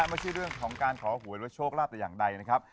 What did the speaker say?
ไม่ใช่เรื่องของการขอหวยหรือว่าโชคลาภแต่อย่างใดนะครับ